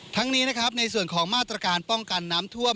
ทั้งนี้นะครับในส่วนของมาตรการป้องกันน้ำท่วม